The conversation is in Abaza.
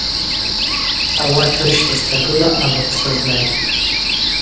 Ауат рыщта стагыла абыхъв сазнайтӏ.